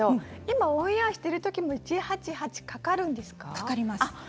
今オンエアしているときも１８８はかかるんですか？